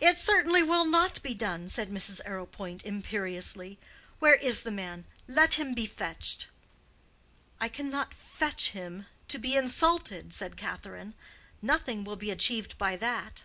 "It certainly will not be done," said Mrs. Arrowpoint, imperiously. "Where is the man? Let him be fetched." "I cannot fetch him to be insulted," said Catherine. "Nothing will be achieved by that."